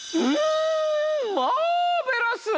んマーベラス！